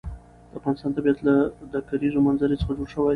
د افغانستان طبیعت له د کلیزو منظره څخه جوړ شوی دی.